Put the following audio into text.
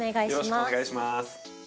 よろしくお願いします。